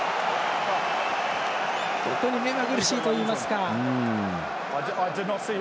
本当に目まぐるしいといいますか。